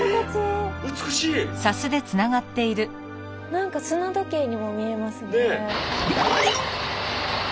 何か砂時計にも見えますね。